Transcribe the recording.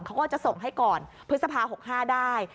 เขาก็จะส่งให้ก่อนพฤษภา๖๕ได้